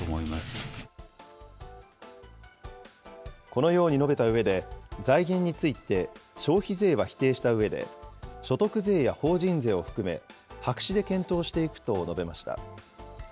このように述べたうえで、財源について消費税は否定したうえで、所得税や法人税を含め白紙で検討していくと述べました。